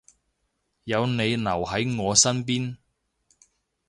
有你留喺我身邊